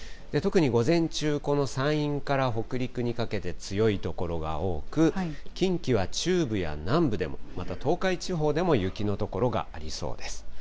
特に午前中、この山陰から北陸にかけて強い所が多く、近畿は中部や南部でも、また東海地方でも雪の所がありそうです。